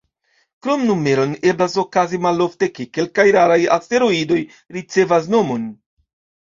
Krom numeron, eblas okazi, malofte, ke kelkaj raraj asteroidoj ricevas nomon.